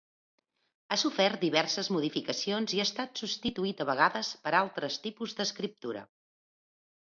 Ha sofert diverses modificacions i ha estat substituït a vegades per altres tipus d'escriptura.